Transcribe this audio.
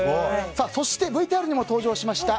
そしてＶＴＲにも登場しました